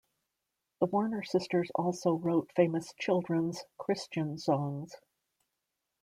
The Warner sisters also wrote famous children's Christian songs.